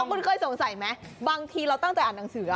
คุณเคยสงสัยไหมบางทีเราตั้งใจอ่านหนังสือ